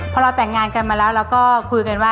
พอเราแต่งงานกันมาแล้วเราก็คุยกันว่า